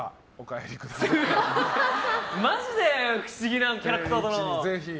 マジで不思議なキャラクターだな。